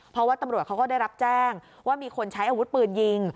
เพราะว่าตำรวจเขาก็ได้รับแจ้งว่ามีคนใช้อาวุธปืนยิง